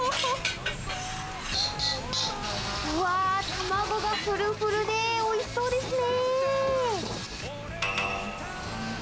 卵がプルプルでおいしそうですね。